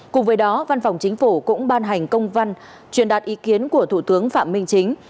cùng với đó văn phòng chính phủ cũng ban hành công văn truyền đạt ý kiến của thủ tướng phạm minh chính